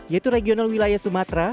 yaitu regional wilayah sumatera